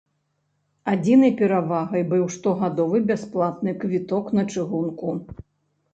Адзінай перавагай быў штогадовы бясплатны квіток на чыгунку.